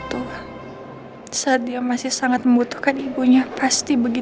lo kan udah janji sama gue gak bakalan pergi